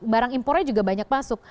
barang impornya juga banyak masuk